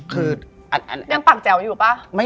คือยังปากแจ๋วอยู่ป่ะ